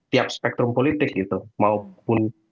tiap spektrum politik gitu maupun